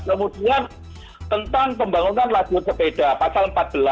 kemudian tentang pembangunan lajur sepeda pasal empat belas